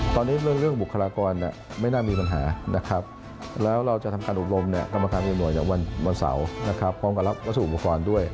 ตอนนี้เรื่องบุคลากรไม่น่ามีปัญหาแล้วเราจะทำการอุบรมกรรมความอิ่มหน่วยอย่างวันเมื่อวันเสาร์พร้อมกับรับวัตถุอุปกรณ์ด้วย